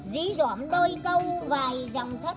dí dõm đôi câu vài dòng thất